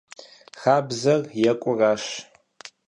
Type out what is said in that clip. Хабзэр екӀуращ.